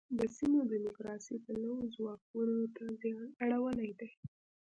د سیمې دیموکراسي پلوو ځواکونو ته زیان اړولی دی.